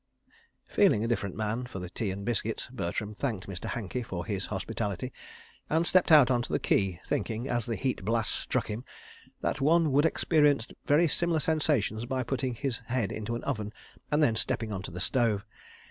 ..." Feeling a different man for the tea and biscuits, Bertram thanked Mr. Hankey for his hospitality, and stepped out on to the quay, thinking, as the heat blast struck him, that one would experience very similar sensations by putting his head into an oven and then stepping on to the stove.